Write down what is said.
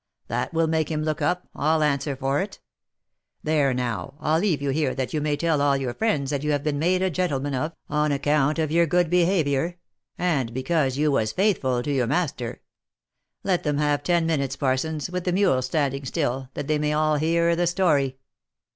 That will make him look up, I'll answer for it ! There, now I'll leave you here that you may tell all your friends that you have been made a gentleman of, on account of your good behaviour, and because you was faithful to your master. Let them have ten minutes, Parsons, with the mules standing still, that they may all hear the story."